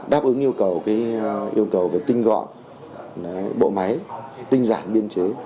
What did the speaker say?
đáp ứng yêu cầu về tinh gọn bộ máy tinh giản biên chứ